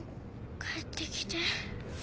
帰ってきて。